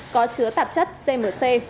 có chứa tạp chất cmc